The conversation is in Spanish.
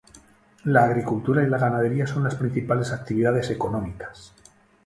La agricultura y la ganadería son las principales actividades económicas.